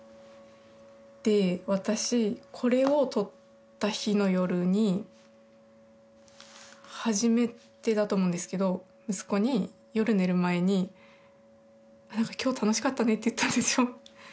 で私これを取った日の夜に初めてだと思うんですけど息子に夜寝る前に「なんか今日楽しかったね」って言ったんですよ。